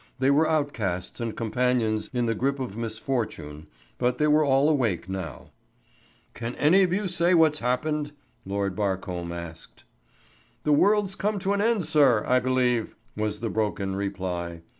They were outcasts and companions in the grip of misfortune, but they were all awake now. "Can any of you say what's happened?" Lord Barcombe asked. "The world's come to an end, sir, I believe," was the broken reply.